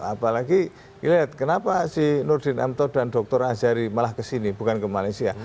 apalagi lihat kenapa si nurdin amto dan dr azhari malah kesini bukan ke malaysia